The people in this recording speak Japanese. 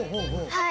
はい。